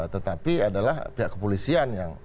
tetapi adalah pihak kepolisian